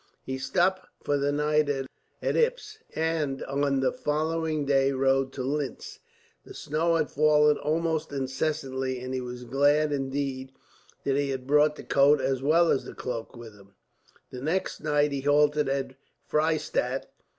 He stopped for the night at Ips, and on the following day rode to Linz. The snow had fallen almost incessantly, and he was glad, indeed, that he had brought the coat as well as the cloak with him. The next night he halted at Freystadt.